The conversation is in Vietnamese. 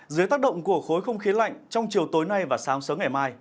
dưới tác động của khối không khí lạnh trong chiều tối nay và sáng sớm ngày mai